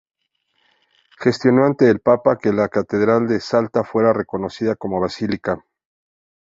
Gestionó ante el papa que la catedral de Salta fuera reconocida como basílica.